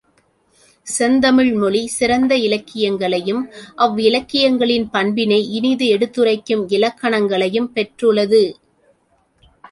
செந்தமிழ் மொழி சிறந்த இலக்கியங்களையும், அவ்விலக்கியங்களின் பண்பினை இனிதெடுத் துரைக்கும் இலக்கணங்களையும் பெற்றுளது.